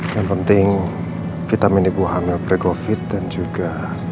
yang penting vitamin dibuang mil pre covid dan juga